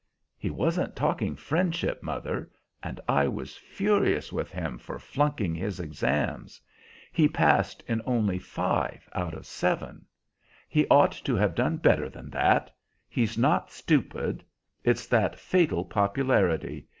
"He wasn't talking friendship, mother, and I was furious with him for flunking his exams. He passed in only five out of seven. He ought to have done better than that. He's not stupid; it's that fatal popularity.